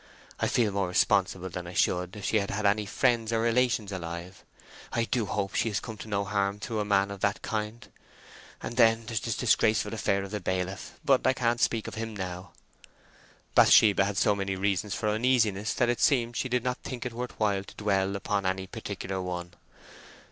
I feel more responsible than I should if she had had any friends or relations alive. I do hope she has come to no harm through a man of that kind.... And then there's this disgraceful affair of the bailiff—but I can't speak of him now." Bathsheba had so many reasons for uneasiness that it seemed she did not think it worth while to dwell upon any particular one.